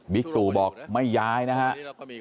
บิตุบอกไม่ย้ายนะฮะ